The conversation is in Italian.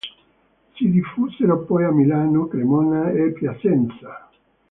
Si diffusero poi a Milano, Cremona e Piacenza.